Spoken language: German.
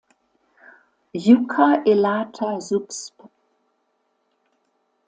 Yucca elata subsp.